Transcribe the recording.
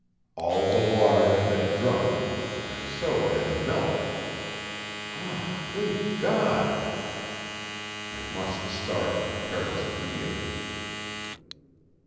All the water had been drunk, and so had the milk! Ah! Great God! I must start for Paris immediately.